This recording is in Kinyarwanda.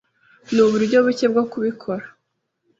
Nuburyo buke bwo kubikora.